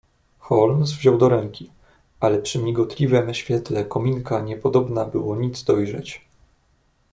"Holmes wziął do ręki, ale przy migotliwem świetle kominka niepodobna było nic dojrzeć."